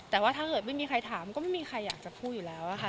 แต่ว่าถ้าเกิดไม่มีใครถามก็ไม่มีใครอยากจะพูดอยู่แล้วค่ะ